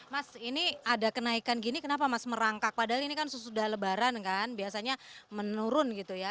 mas ini ada kenaikan gini kenapa mas merangkak padahal ini kan sesudah lebaran kan biasanya menurun gitu ya